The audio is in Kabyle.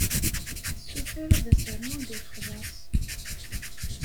Tessuter ad as-rnun deg lexlaṣ.